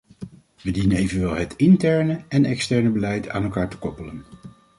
We dienen evenwel het interne en externe beleid aan elkaar te koppelen.